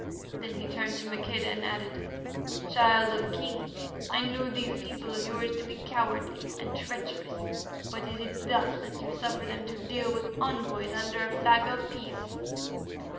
Then he turned to Maqueda and added, "Child of Kings, I knew these people of yours to be cowardly and treacherous, but is it thus that you suffer them to deal with envoys under a flag of peace?"